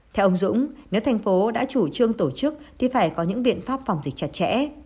theo ông dũng nếu thành phố đã chủ trương tổ chức thì phải có những biện pháp phòng dịch chặt chẽ